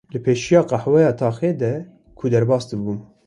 Li pêşiya qehweya taxê de ku derbas dibûm